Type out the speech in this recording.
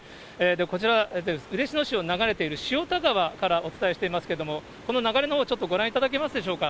こちら、嬉野市を流れている塩田川からお伝えしていますけれども、この流れのほう、ちょっとご覧いただけますでしょうか。